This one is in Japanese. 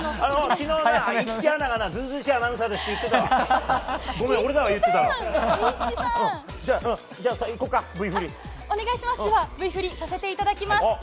今日はＶ振りさせていただきます。